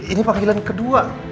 ini panggilan kedua